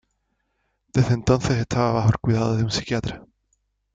Desde entonces estaba bajo el cuidado de un psiquiatra.